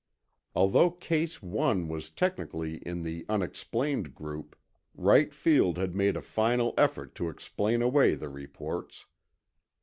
Although Case 1 was technically in the "unexplained" group, Wright Field had made a final effort to explain away the reports.